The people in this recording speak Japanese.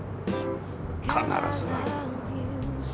必ずな。